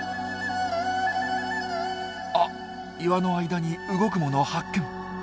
あっ岩の間に動くもの発見。